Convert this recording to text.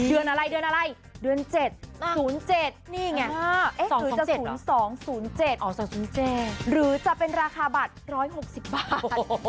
เดือนอะไรเดือน๗๐๗นี่ไงหรือจะ๐๒๐๗หรือจะเป็นราคาบัตร๑๖๐บาท